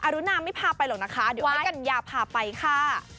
รุนาไม่พาไปหรอกนะคะเดี๋ยวให้กัญญาพาไปค่ะ